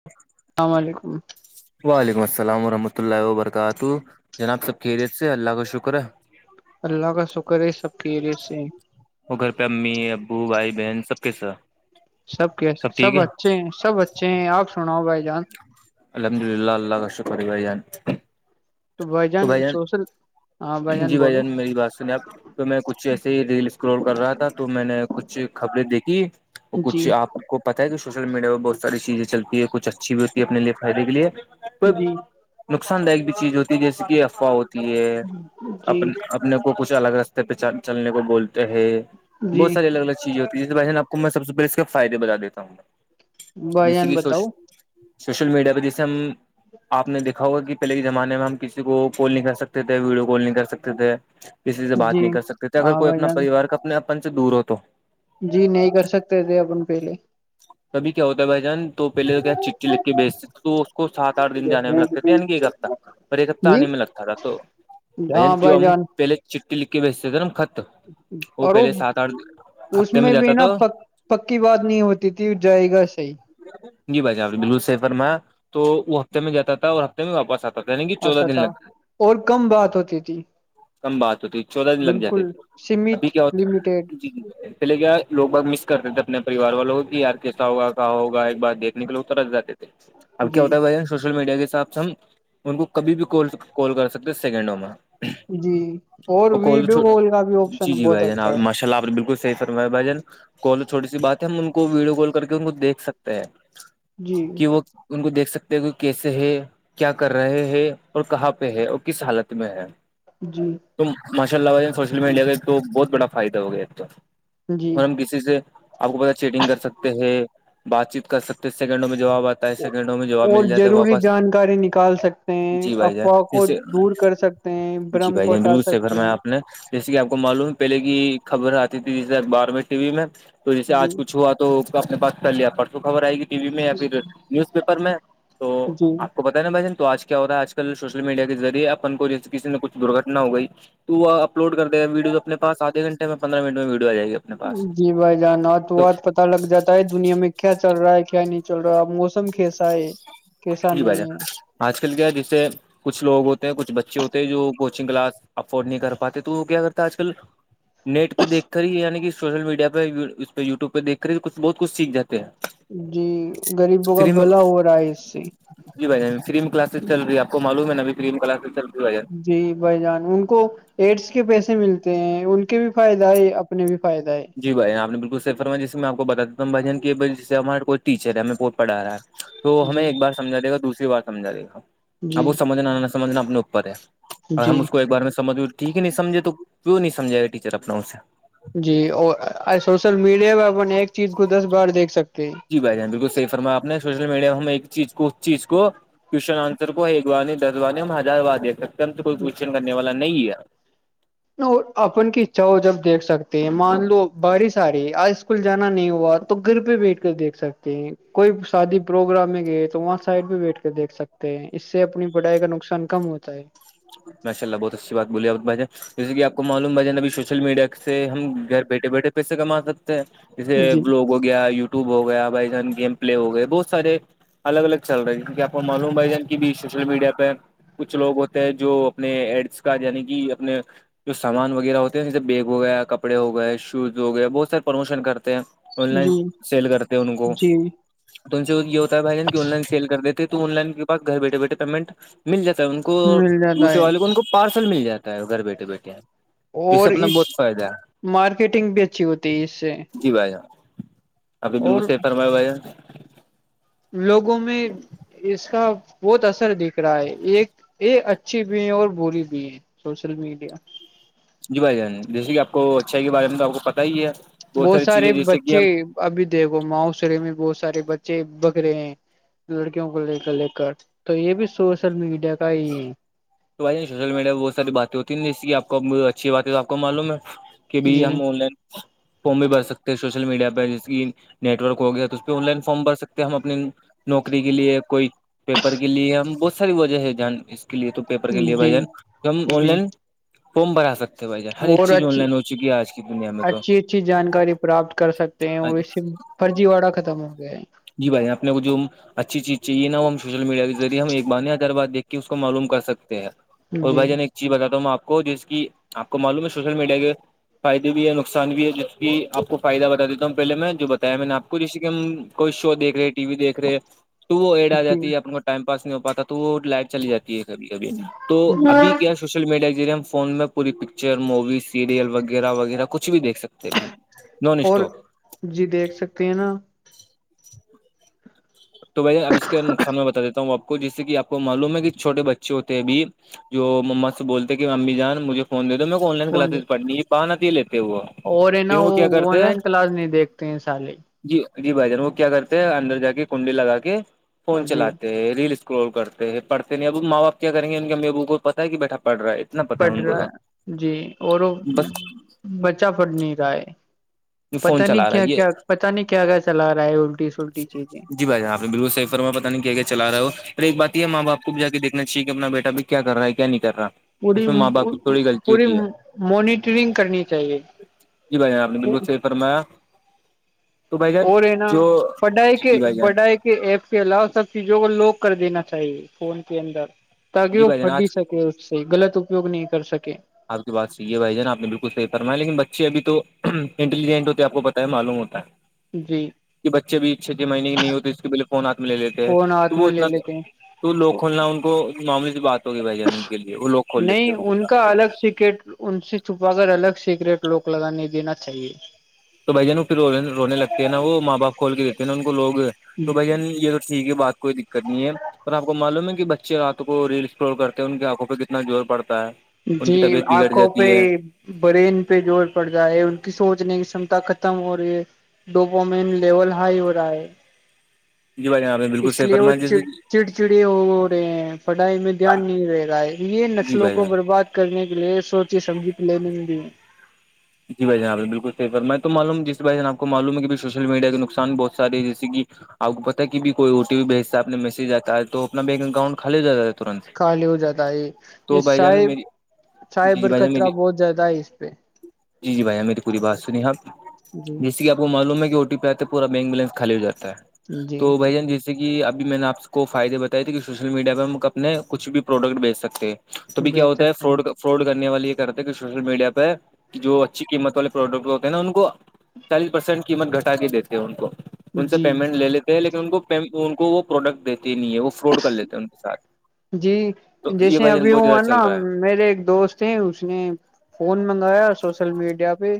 [inaudible] اسلام علیکم وعلیکم السلام ورحمۃ اللہ وبرکاتہ جناب سب خیریت سے اللہ کا شکر ہے اللہ کا شکر ہے سب کی ایریت سے وہ گھر پہ امی ابو بھائی بہن سب کے سات سب کی سب اچھے ہیں سب اچھے ہیں آپ سناؤ بھائی جان الحمد للہ اللہ کا شکر بان تو بھائی جان سوشل ہاں بھائی جی بھ بولو جان میری بات سنیں آپ تو میں کچھ ایسے ہی ریل اسکرول کر رہا تھا تو میں نے کچھ خبریں دیکھی وہ جی کچھ آپ کو پتا ہے کہ سوشل میڈیا میں بہت ساری چیزیں چلتی ہے کچھ اچھی بھی ہوتی ہے اپنے لیے فائدے کے لیے کو جی نقصان داک بھی چیز ہوتی ہے جیسے کہ افواہ ہوتی ہے اپ جی اپنے کو کچھ الگ رستے پہ چلنے کو بولتے ہیں جی بہت ساری الگ الگ چی ہوتی ہے جس ب آپ کو میں سب سے پہلے اس کے فائدے بتا دیتا ہوںا بھائی جیسے جان کہ سو بتاؤ سوشل میڈیا پر دی س ہم آپ نےیکا ہوا کہ پہل کے زمانے میں ہم کسی کو کال نہیں کر سکتے تھے ویڈیو کالن کر سکتے تھے کسی سے بات جی نہیں کر سکتے تھے اگر ہاں کوئی بھائی اپنا جان پریوار کا اپنے اپن سے دور ہو تو جی نہیں کر سکتے تھے اپن پہلے کبھی کیا ہوتا ہے بھائی جان تو پہلے کیا چٹی لکھ کے بیچتی تھی تو اس کو سات آھ دنانے میں لگتے تھے عنی یہ کرتا ایک ہفتہ جی آنے میں لگتا تھا تو ب ہاں جو بھائی ہم جان پہلے چٹٹی لکھ کے بیستے تھے نا خت اور وہ اس ہفتے میں جاتا بھی نا تو پ پکی بات نہیں ہوتی تھی جائے گا صحیح جی بھائی جاناںپ نے بالکل سیفرما تو وہ ہفتے میں جاتا تھا اور ہفتے میں واپس آتا تھا یعنی کہ اھ چودہ دن تھا لگتے اور کم بات ہوتی تھی کم بات ہوتی ہے چودہ دن لگ جاتے بالکل تھے سیمت ابھی کیا ہوتا لمیٹیڈ ج ج پے کیا لگ بہت مس کرتے تھے اپنے پریوار والوں یار کیسا ہوگا کہاں ہوگا ایک بات دیکھنے کے لیے اترس جاتے تھے اب کیا جی ہوتا ہے بھائی سوشل میڈیا کے حساب سے ہم ان کو کبھی بھی کال کر سکتے سیکنڈوں میں جی اور کو تو ویڈیو چوٹ کال کا بھی آپشن جی جی بہت بھائی جان اچھا ہے ماشاء اللہ آپ بالکل صی فرمایا بھائی جان کوال چھٹی سی بات ہے ہم ان کو ویڈیو کال کر کے ان کو دیکھ سکتے ہیں جی کہ وہ ان کو دیکھ سکتے ہیں کہ کیسے ہے کیا کر رہے ہیں اور کہاں پہ ہے اور کس حالت میں ہے جی تو ماشاء اللہ ب سوشل میڈیا کا ایک تو بہت بڑا فائدہ ہو گیا تو جی اور ہم کسی سے آپ کو پتا چیٹنگ کر سکتے ہیں بات چیت کر سکتے سیکنڈوں میں جواب آتے اٹھائیس سیکنڈوں میں جواب اور مل جاتا ہے ضروری واپس جانکاری نکال سکتے ہیں جی بھائی جان افواہ کو اسے دور کر سکتے ہیں جی برم بھائی کو جان ہٹا بالکل سے گھر سکتے میں ہیں آپ نے جیسے کہ آپ کو معلوم ہے پہلے کی خبر آتی تھی جس بار میں ٹی وی میں تو جیے جی آج کچھ ہوا تو اپنے پاس کر لیا پرسوں خبر آئے گی ٹی وی میں یا پھر نیوز پیپر میں تو جی آپ کو پتا ا بھائی جن تو آج کیا ہوتا ہے آج کل سوشل میڈیا کے ذریعے اپن کو جیس کسی نے کچھ درگھٹنا ہو گئی تو وہ اپ لو کرے گ ویڈیز اپنےاسدھے گنٹے پندہ منٹ میں وی آ جائے گا جی بھائی جانا تو ب پتتا لگ جاتا ہے دنیا میں کیا چل رہا ہے کیا نہیں چل رہا موسم کیسا ہے کیسا جی بھائی جان نہیں ہے آج کل کیا ہے جسے کچھ لوگ ہوتے ہیں کچھ بچے ہوتے ہیں جو کوچنگ کلاس افورڈ نہیں کر پاتے تو وہ کیا کرتا آج کل نٹ پہ دیک کر ہی عنی کہ سوشل میڈیا پہ اس پہ یوٹیو پہ دیک کر ہیچھ بہت کچھ سیکھ جات ہے جی غریبوں کا میں بھلا ہو رہا ہے اس سے جی بھائی فریلم کلاسز چ رہی آپ کو معلوم ہے نبھی فلم کلاسز چل رہی بھائی جان جی بھائی جان ان کو ایڈس کے پیسے ملتے ہیں ان کے بھی فائد ہے اپنے بھی فائد ہے جی بھائین آپ نے بالکل سی فرما جسے میں آپ کو بتا دی ہوں بھ کہ جے ہمارے کوئی ٹیچر ہے ہمیں پوت پڑھا ہے تو ہمیں جی ایک بار سمجھا دے گا دوسری بار سمجھا دے گا اب جی وہ سمجھنا نہ سمجھنا اپنے اوپر ہے اور ہم جی اس کو ایک بار میں سمجھ گئے ٹھیک ہے نہیں سمجھے تو کیوں نہیں سمجھائے گا ٹیچر اپنا اس سے جی اور سوشل میڈیا پر اپن ایک چیز کو دس بار دیکھ سکتے ہیں جی بھائی جان بالکل صحیح فرما آپ نے سوشل میڈیا میں ہم ایک چیز کو اس چیز کو کوشچن آنسر کو ایک بار نہیں دس بار نہیں ہم ہزار بار دے سکتے ہیں ہم تو کوسچن کرنے والا نہیں ہے [inaudible] اپن کی اچھا ہو جب دیکھ سکتے ہیں مان لو بارش آ رہی ہے تو آج اسکول جانا نہیں ہوا تو گر پہ بیٹھے کر دیکھ سکتے ہیں کوئی شادی پروگرام میں گئے تو وہاں سائڈ پہ بیٹھ کر دیکھ سکتے ہیں اس سے اپنی پڑھائی کا نقصان کم ہوتا ہے ماشاء اللہ بہت اچھی بات بولی آپ نے بھائی جان جیسے کہ آپ کو معلوم بھائی جان ابھی سوشل مڈیا کا سے ہم گھر بیٹھے بیٹھے پیسے کما سکتے ہیں جیسے جی بلاگ ہو گیا یوٹیوب ہو گیا بھائی جان گیم پلے ہو گئے بہت سارے الگ الگ چل رہی ہے کیونکہ آپ کو معلوم بھائی جان کہ ابھی سوشل میڈیا پہ کچھ لوگ ہوتے جو اپنے ایڈس کا یعنی کہ اپنے جو سامان وغیرہ ہوتے ہیں جیسے بیگ ہو گیا کپڑے ہو گئے شوز ہو گیا بہت سارے پروموشن کرتے ہیں آن لائن جی سیل کرتے ہیں ان کو جی تو ان سے یہ ہوتا ہے بھائی جان آن لائن سیل کر دیتے تو آن لائن کے گھر بیٹھے بیٹھے پیمنٹ مل جاتا ہے ان کو مل جاتا دوسرے ہے والے کو ان کو پارسل مل جاتا ہے گھر بیٹھے بیٹھے سے اور اپنا اس بہت فائدہ ہے مارکیٹنگ بھی اچھی ہوتی ہے اس سے جی بھائی جان آپ نے بالکل اور صحیح فرمایا بھائی جان لوگوں میں اس کا بہت اثر دکھ رہا ہے ایک یہ اچھی بھی ہے اور بری بھی ہیں سوشل میڈیا جی بھائی جان جیسے کہ آپ کو اچھائی کے بارے میں تو آپ کو پتا ہی ہے بہت ساری چیزیں سارے جیسے کہ بچے ہم ابھی دیکھو معاشرے میں بہت سارے بچے بکرے ہیں لڑکیوں کو لے کر لے کر تو یہ بھی سوشل میڈیا کا ہی تو بھائی نہیں سوشل میڈیا میں بہت ساری باتیں ہوتی ہیں جیس آپ کو اچھی بات ہے تو آپ کو معلوم ہے کبھی جی ہم آن لائن فارم بھی بھر سکتے ہیں سوشل میڈیا پہ جیسے کہ نیٹ ورک ہو گیا تو اس پہ آن لائن فارم بھر سکتے ہیں ہم اپنی نوکری کے لیے کوئی پیپر کے لیے ہم بہت ساری وجہ ہے اس کے لیے تو پیپر کے لیے بھائی جی جان ہم آن جی لائن فارم بھرا سکتے ہیں بھائی جان ہر ایک اور چیز آن اچھی لائن ہو چکی ہے آج کی دنیا میں تو اچھی اچھی جانکاری پراپت کر سکتے اس فرجی واڑا ختم ہو گیا ہے جی بھائی آپ کو جو اچھی چیز چاہیے نا وہ ہم سوشل میڈیا کے ذریعے ہم ایک بار نہت ہزار بار دیکھ کے اس کو معلوم کر سکتے ہیں ہے اور جی بھائی جان ایک چیز بتاتا ہوں میں آپ کو جس کی آپ کو معلوم ہے سوشل میڈیا کے فائدے بھی ہے نقصان بھی ہے جس کی آپ کو فائدہ بتا دیتا ہوں پہلے میں جو بتایا میں نے آپ کوئی جیسے کہ ہم کوئی شو دیکھ رہے ٹی وی دیکھ رہے تو وہ ایڈ آ جی جاتی ہے اپ کو ٹائم پاس نہیں ہو پاتا تو وہ لائٹ چلی جاتی ہے کبھی کبھی تو ابھی کیا سوشل میڈیا کے ذریعے ہم فون میں پور پکچر موویز سیریل وغیرہ وغیرہ کچھ بھی دیکھ سکتے ہیں نان اور اسٹاپ جی دیکھ سکتے ہیں نا تو بھائی جان اب اس کے نقصان میں بتا دیتا ہوں آپ کو جس سے کہ آپ کو معلوم ہے کہ چھٹے بچے ہوتے ہیں ابھی جو مما سے بولتے کہ ممی جان مجھے فون دے دو میں کو آن لائن فون کلاسز پڑنی بہانے سے لیتے ہیں وہ اور ہے نا لیکن کیا وہ آن کرتے ہیں لائن کلاس نہیں دیکھتے ہیں سالے جی جی بھائی جان وہ کیا کرتے ہیں اندر جا کے کنڈی لگا کے ہاں فون جی چلاتے ہیں ریلس اسول کرتے ہیں پڑتے نہیں اب ماں بپ کیا کریں گے انن امی ابو کو پتا ہے کہ بیٹھا پڑ رہا ہے اتنا پتا پڑ ہے ان کو رہا تو جی اور بس بچا پڑ نہیں رہا ہے فون پتا نہیں چلا رہا کیا ہے یہ کیا پتا نہیں کیا کیا چلا رہا ہے الٹی سلٹی چیزیں جی بائیان آپ بالکل سفر میں پہ نہیں کیا چلا رہا ہو پھر ایک بات یہ ماں بپ کو بھی جا کے دیکنا چاہیے کہ اپنا بیٹا بھی کیا کر رہا ہے کیا نہیں کر رہا پوری اس میں ماں باپ کی تھوڑی غلطی پوری ہوتی ہے موانیٹرنگ کرنی چاہیے جی بھائی آپ نے بالکل صحی فرمایا تو بھائی جان اور رہ ہے ن جو بڈا جی ایک جی بھائی جان بڈا ایک کے ایپ کے علاوہ سب چیزوں کو لوک کر دینا چاہیے فون کے اندر تاکہ جی وہ بھائی جان آج پھڈی سکے اس سے غلط اپیوگ نہیں کر سکے آپ کی بات صحی ہے بھائی جان آپ نے بالکل صح فرما ہے لیکن بچے ابھی تو اننٹیلیجنٹ ہوتے ہیں آپ کو پتہ ہے معلوم ہوتا ہے جی کہ بچے بھی چھ چھ مہینے کی نہیں ہوتے اس کے پہلے فون ہاتھ میں لے لیتے ہیں فون تو ہاتھ وہ میں لے اتنا لیتے ہیں تو لوک کھولنا ان کو معاملے سے بات ہوگی بھائی جان ان کے لیے وہ لو نہیں ان کا الگ سکٹ ان سے چھپا کر الگ سیکریٹ لوک لگانے دینا چاہیے تو بھائی جن پھر رونے لگتے ہیں نا وہ ماں باپ کھول کے دیتے ہیں نا ان کو لوگ تو بھ جن یہ ٹھیک ہے بات کوئی دقت نہیں ہے اور آپ کو معلوم ہے کہ بچے رات کو ریلس ف کرتے ہیں ان کی آنکھوں پہ کتنا زور پڑتا ہے ان جی کی طبیعت آپ بگڑ کو پہ جاتی ہے برین پہ زور پڑ رہا ہے ان کی سوچنے کی کمتا ختم ہو رہی ہے ڈپو مین لیول ہائی ہو رہا ہے ہم بالکل سیفر جی چڑ چڑی ہو رہے ہیں پڑھائی میں دھیان نہیں رہے رہا ہے یہ جی نسلوں بھائی کو جان برباد کرنے کے لیے سوچی سمجھی پلاننگ بھی جی بھ جب بالکل سیر میں تو معلوم جس بن آپ کو معلوم ہے کہ سوشل میڈیا کے نقصان بہت سارے ہے جیے کہ آپ پتتا کہ بھی کوئی او ٹی پی بھیجتا ہے اپنے میسج آتا ہے تو اپنا بینک اکاؤنٹ کالے جاتا ترنت خالی ہو جاتا ہے یہ تو بھائی جان صاحب میری جی جی سائبر بھائی جان خطرہ میری بہت زیادہ ہے اس پہ جی جی بھیا میری پوری بات سنی آپ جی جیسے کہ آپ معلوم ہے کہ او ٹی پی آتے پور بینک بیلنس خالی ہو جاتا ہے جی تو بھ جان جس جیسے کہ ابھی میں نے آپ کو فائدے بتائے تھے کہ سوشل میڈیا پہ ہم اپنے کچھ بھی پروڈکٹ بیچ سکتے ہیں توبھی کیا بیچ ہوتا ہے ف سکتے ہیں فراڈ کرنے والے یہ کرتے ہیں سوشل میڈیا پہ جو اچھی قیمت والے پروڈکٹ ہوتے ہیں نا ان کو چالیس پرسینٹ قیمت گھٹا کے دیتے ہیں ان کو ان سے جی پیمنٹ لے لیتے ہیں لیکن ان ان کو وہ پروڈکٹ دیتے ہی نہیں ہے فراڈ کر لیتے ہیں ان کے ساتھ جی تو یہ جیسے بھائی جان ابھی ہ بہت زیادہ ہے چل نا رہا میرے ایک دوست تھے اس نے فون منگایا سوشل میڈیا پہ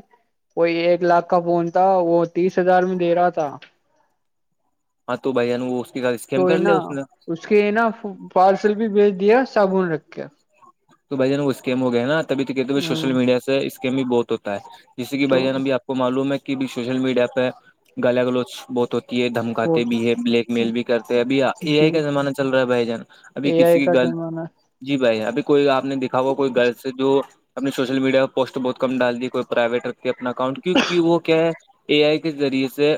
وہ ایک لاکھ کا فون تھا وہ تیس ہزار میں دے رہا تھا ہاں تو بھائی ن تو ہے نا اس کے نا پارسل بھی بھیج دیا صابن رکھ کے تو بھائی ج ن وہ اسکیم ہو گیا نا تبھی تو کہتے سوشل ہوں، میڈیا سے اسکیم بھی بہت ہوتا ہے جس کہ تو بھان اب بھی آپ کو معلوم ہے کہ بھی سوشل میڈیا پہ گلا گلوچ بہت ہو یہ دھمکاتے بہت بھی ہے بلیک میل بھی کرتے اب اے آئی جی کا زمانہ چل رہا ہے بھائی جان ابھی اے کسی آئی کی کا غلط زمانہ جی بھائی ابھی کوئی آپ نے دیککھا ہوا کوئی غلط سے جو ہم نے سوشل میڈیا پوسٹ بہت کم ڈال دی ہے کوئی پرائیویٹ رکھتی ہے اپنا اکانٹ کیونک وہ کیا ہے اے آئی کے ذریعے سے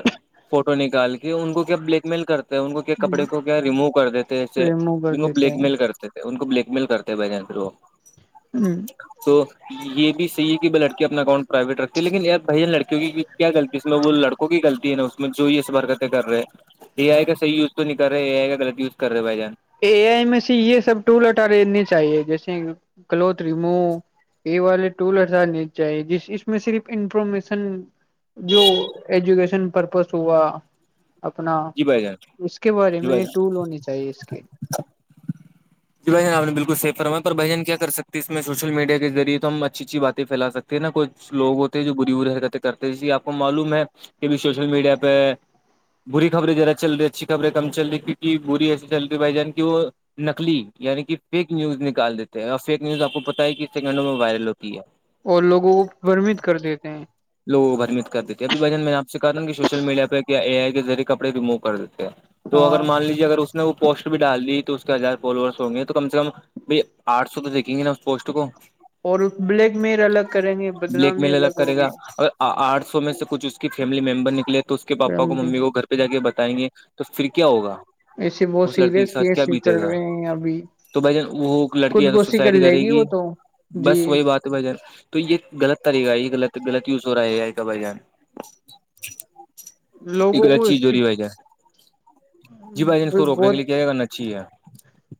فوٹو نکال کے کہ ان کو کیا بلیک میل کرتے ہیں ان کو کیا کپڑے کو کیا ریموو کر دیتے ہیںے ریمو کر جن کو دیتے بلیک میل کرتے ان کو بلیک میل کرتے ہیں بھائی جان پھر وہ ہوں تو یہ بھیحیح ہے کہ لڑکی اپنا اکانٹ پرائیویٹ رکھتی ہے لن ی بھیا لڑی کی کیا غط ہے اس میں وہ لڑک کی غطتی ہے نا اس میں جو یہ س برکتیں کر رہے ہیں اے آئی کاحی یو تو نہیں کر رہے آئی کاغلط وز کر رہے بھائی جان اے آئی میں سے یہ سب ٹول ہٹارےنی چاہیے جیسے کلوتھ ریمو پ والے ٹول اس آنے چاہیے جس اس میں صرف انفارمیشن جو ایجوکیشن پرپز ہوا اپنا جی بھائی جان اس کے بارے جی بھائی میں جان ٹول ہونی چاہیے اس کے ج بھائین آ نے بالکل سی فرما ہے بائین کیا کرک ہے اس میں سوشل میڈ کے ریعے تو ہم اچھی اچھی باتیںھیلا سک ہیں نہ کوئی لوگ ہوتے ہیں جو بری برری حرکتیں کرتے جیے آپ کو معلوم ہے کہبھی سوشل میڈیا پہ بری خبریں ذردا چل رہی ہے اچھی خبریں کم چل رہی ہے کیونکہ بری ایسی چل رہی ہے بائی جان کی وہ نکلی یعنی کہ فیک نیوز نکال دیتے ہیں اور فیک نیوز آپ کو پتہ ہے کس سیکنڈوں میں وائرل ہوتی ہے اور لوگوں کو بمت کر دیتے ہیں لوگ بھرمت کر دیتے ہے اب بھائی جان میں آ سے کہا دوں کہ سوشل میڈیا پہ کیا اے آئی کےذریعے کپڑے ریمو کر دیتے ہیں تو ہاں اگر مان لیجیے اگر اس نے وہ پوسٹر بھی ڈال دی تو اس کے ہزار فالوور تو گے تو کم سے کم بائی آٹھ سو تو دیکھیں گے نا اس پوسٹ کو اور بلیک مئر الگ کریں گے بدنامی الگ ہوگی آٹ سو میں سے کچھ اس کی فیملی ممبر نکلے تو اس کے پاپا کو ممی کو گھر پہ جا کے بتائیں گے تو پھر کیا ہوگا ایسے بہت اس لڑکی سیریس کے ساتھ کیس کیا چل بیتے گا رہے ہیں ابھی تو بھائی جن وہ لڑکی خود ہے تو گوشی کر سوسائڈ لے کرے گی وہ تو جی بس وہی بات بھائی جان تو یہ غلط طریقہ ہے یہغل غلط یوز ہو رہا ہے گ کا بھ جان ایک لوگوں با کو چیز اس کی جوریی ہوئے جائے جی بائی جان اس کو روکنے کے لی بہت کیا ہے کرنا اچاہی ہے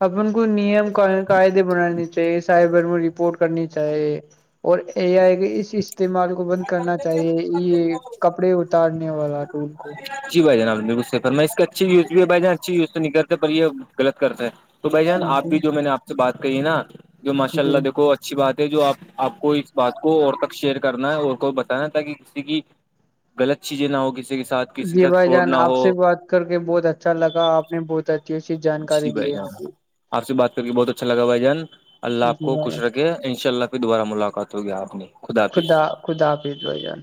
اپن کو نیم قائدے بنانے چاہیے سائبر میں رپورٹ کرنی چاہیے اور یہ آئے کہ اس استعمال کو کو بند کرنا چاہیے یہ کپڑے اتارنے والا ٹول کو جی بھائی جنابالل سفر میں اس کا اچھی یوز بھی ہے بھائی جان اچھی یوز نہیں کرتے پر یہ غلط کرتا ہے تو بھائی جان آپ جی بھی جو میں نے آپ سے بات کر ہے نا جو ماشاء اللہ جی دیکو اچھی بات ہے جو آپ آپ کو اس بات کو اور تک شیئر کرنا ہے اور کو بتانا تاکہ کسی کی غط چیزیں نہ ہو کسی کے ساتھ کسی جی کے ساتھ بھائی فراڈ جان نہ آپ ہو سے بات کر کے بہت اچھا لگا آپ نے بہت اچھا جی بھ جان آپ سے بات کر کے بہت اچھا لگا بھ جان اللہ آپ جی کو بھائی خوش جان، رکھ ان شاء اللہ پھر دوبارہ ملاقات ہو گیا آپ نے خدا خداف بھ جان